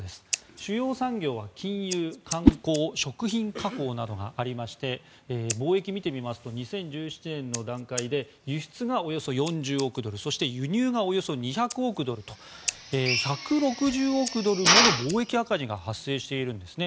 主要産業は金融、観光食品加工などがありまして貿易を見てみると２０１７年段階で輸出がおよそ４０億ドル輸入がおよそ２００億ドルと１６０億ドルもの貿易赤字が発生しているんですね。